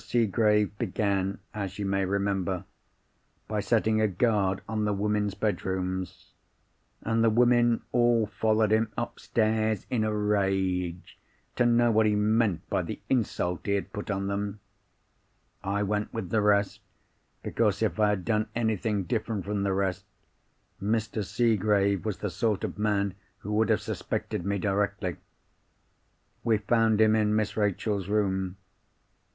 Seegrave began, as you may remember, by setting a guard on the women's bedrooms; and the women all followed him upstairs in a rage, to know what he meant by the insult he had put on them. I went with the rest, because if I had done anything different from the rest, Mr. Seegrave was the sort of man who would have suspected me directly. We found him in Miss Rachel's room.